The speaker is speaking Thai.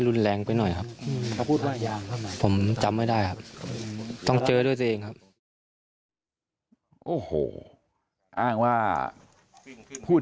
มึงสุดมือช้าค่ะคือในจริงขี้ดู